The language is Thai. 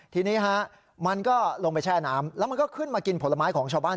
ทีนี้ฮะมันก็ลงไปแช่น้ำแล้วมันก็ขึ้นมากินผลไม้ของชาวบ้าน